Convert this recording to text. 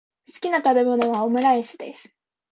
好きな食べ物はオムライスです。